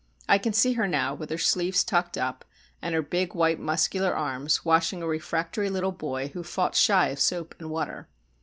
I can see her now, with her sleeves tucked up, and her big white muscular arms, washing a refractory little boy who fought shy of soap and water.